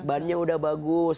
bannya udah bagus